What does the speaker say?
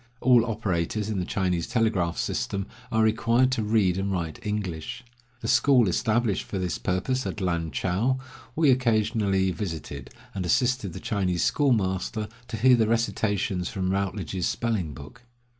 All operators in the Chinese telegraph system are required to read and write English. The school established for this purpose at Lan chou we occasionally visited, and assisted the Chinese schoolmaster to hear the recitations from Routledge's spelling book.